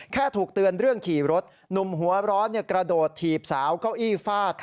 แค่ถูกเตือนเรื่องขี่รถหนุ่มหัวร้อนกระโดดถีบสาวเก้าอี้ฟาด